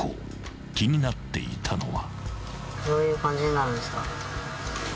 ［気になっていたのは］